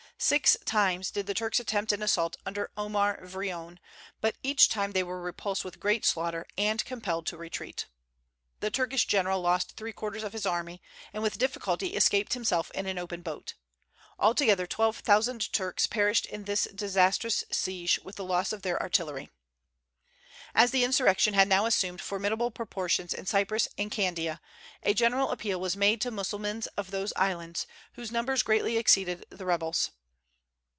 Six times did the Turks attempt an assault under Omar Vrione; but each time they were repulsed with great slaughter, and compelled to retreat. The Turkish general lost three quarters of his army, and with difficulty escaped himself in an open boat. Altogether twelve thousand Turks perished in this disastrous siege, with the loss of their artillery. As the insurrection had now assumed formidable proportions in Cyprus and Candia, a general appeal was made to Mussulmans of those islands, whose numbers greatly exceeded the rebels.